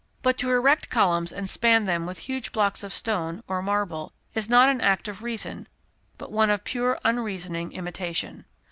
But to erect columns and span them with huge blocks of stone, or marble, is not an act of reason, but one of pure unreasoning imitation.